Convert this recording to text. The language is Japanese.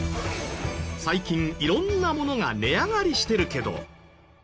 最近色んなものが値上がりしてるけど。